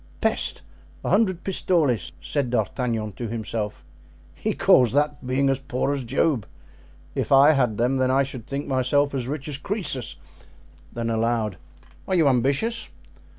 "Peste! a hundred pistoles!" said D'Artagnan to himself; "he calls that being as poor as Job! If I had them I should think myself as rich as Croesus." Then aloud: "Are you ambitious?"